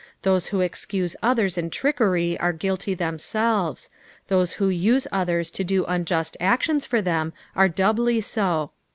Those who excuse others in trickery are gnilty themselves ; those who use others to do unjust actions for them are doubly so.